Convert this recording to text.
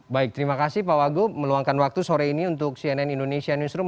baik terima kasih pak wagub meluangkan waktu sore ini untuk cnn indonesia newsroom